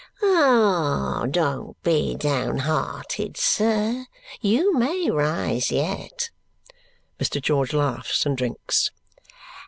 "Don't be down hearted, sir. You may rise yet." Mr. George laughs and drinks.